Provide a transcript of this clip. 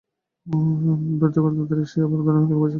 দরিদ্রই গণতান্ত্রিক, সেই আবার ধনী হইলে অভিজাত হয়।